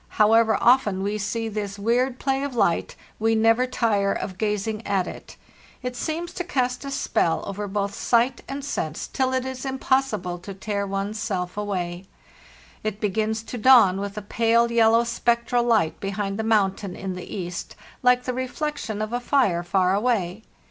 However often we see this weird play of light, we never tire of gazing at it; it seems to cast a spell over both sight and sense till it is impossible to tear one's self away. It begins to dawn with a pale, yellow, spectral light behind the mountain in the east, like the reflection of a fire far away.